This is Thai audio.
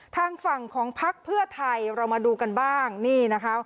ทางฝั่งของพักเพื่อไทยเรามาดูกันบ้างนี่นะคะ